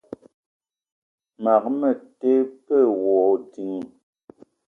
Mag me te pe wa ding.